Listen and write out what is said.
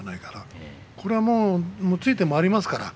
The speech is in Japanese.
これはついて回りますからね